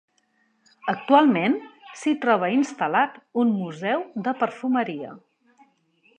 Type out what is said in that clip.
Actualment s'hi troba instal·lat un museu de perfumeria.